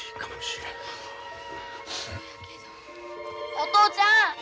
お父ちゃん！